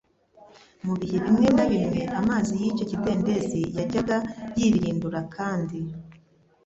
Mu bihe bimwe na bimwe amazi y’icyo kidendezi yajyaga yibirindura kandi,